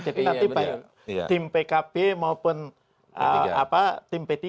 jadi nanti baik tim pkb maupun tim p tiga